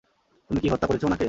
তুমি কি হত্যা করেছ উনাকে?